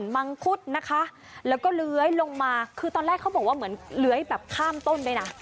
มังคุดนะคะแล้วก็เลื้อยลงมาคือตอนแรกเขาบอกว่าเหมือนเลื้อยแบบข้ามต้นด้วยนะ